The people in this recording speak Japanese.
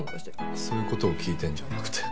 そういう事を聞いてるんじゃなくて。